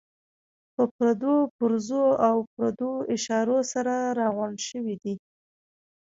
په پردو پرزو او پردو اشارو سره راغونډې شوې دي.